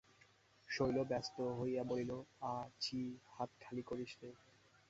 শৈল ব্যস্ত হইয়া বলিল, আঃ ছিঃ, হাত খালি করিস নে।